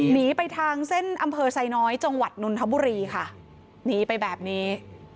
หนีไปทางเส้นอำเภอไซน้อยจังหวัดนนทบุรีค่ะหนีไปแบบนี้